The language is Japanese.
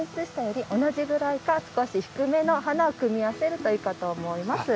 ’より同じぐらいか少し低めの花を組み合わせるといいかと思います。